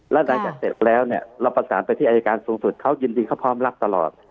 แล้วหลังจากเสร็จแล้วเนี่ยเราประสานไปที่อายการสูงสุดเขายินดีเขาพร้อมรับตลอด